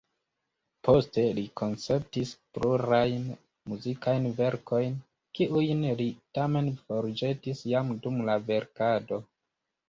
Poste li konceptis plurajn muzikajn verkojn, kiujn li tamen forĵetis jam dum la verkado.